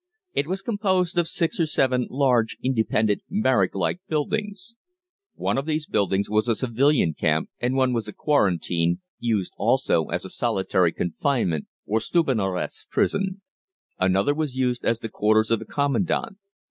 It was composed of six or seven large independent barrack like buildings. One of these buildings was a civilian camp, and one was a quarantine, used also as a solitary confinement or Stubenarrest prison; another was used as the quarters of the commandant.